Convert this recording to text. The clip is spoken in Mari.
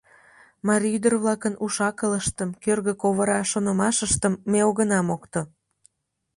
Марий ӱдыр-влакын уш-акылыштым, кӧргӧ ковыра шонымашыштым ме огына мокто.